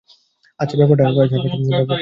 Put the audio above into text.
আচ্ছা, ব্যাপারটা এরকম?